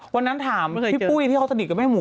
วันนั้นถามพี่ปุ้ยที่เขาสนิทกับแม่หมู